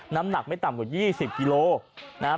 น้ำหนักไม่ต่ำกว่า๒๐กิโลนะครับ